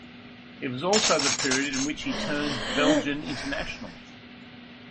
It was also the period in which he turned Belgian international.